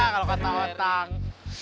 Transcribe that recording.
kalau kau tahu tangg